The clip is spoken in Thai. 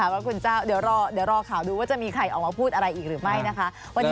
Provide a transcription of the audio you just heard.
ว่าคุณเจ้าเดี๋ยวรอข่าวดูว่าจะมีใครออกมาพูดอะไรอีกหรือไม่นะคะ